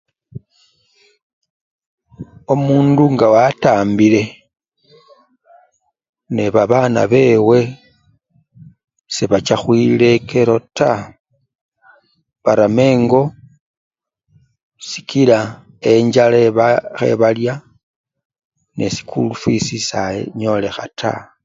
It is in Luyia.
Omundu nga watambile, nebabana bewe sebacha khwilekelo taa barama engo sikila enjala eba! khebalya nesikuli fwisii saye! nyolekha taa.